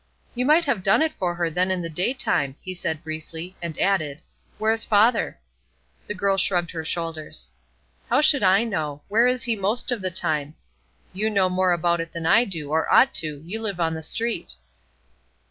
"You might have done it for her, then, in the daytime," he said, briefly, and added, "Where's father?" The girl shrugged her shoulders. "How should I know? Where he is most of the time; you know more about it than I do, or ought to; you live on the street."